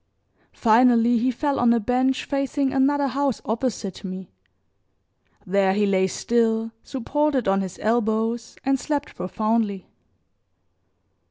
Finally he fell on a bench facing another house opposite me. There he lay still, supported on his elbows, and slept profoundly.